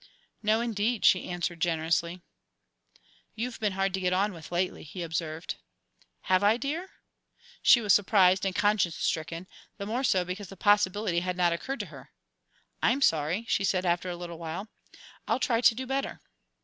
"No, indeed," she answered, generously. "You've been hard to get on with lately," he observed. "Have I, dear?" She was surprised and conscience stricken; the more so because the possibility had not occurred to her. "I'm sorry," she said after a little. "I'll try to do better."